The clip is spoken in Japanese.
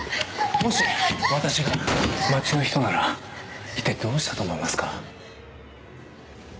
もし私が町の人なら一体どうしたと思いますか？